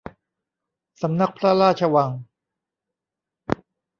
สำนักพระราชวัง